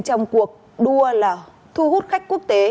trong cuộc đua là thu hút khách quốc tế